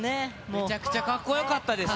めちゃくちゃかっこよかったですね。